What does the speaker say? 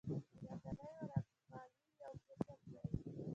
د ودانیو رنګمالي یو کسب دی